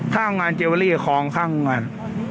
ข้างงานเจวรี่ของข้างงาน